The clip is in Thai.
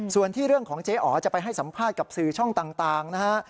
ส่วนที่เรื่องของเจ๊อ๋อจะไปให้สัมภาษณ์กับสื่อช่องต่างนะฮะ